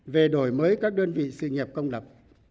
về đổi mới các đơn vị sự nghiệp công lập